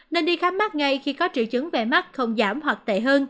nên đi khám mắt ngay khi có triệu chứng về mắt không giảm hoặc tệ hơn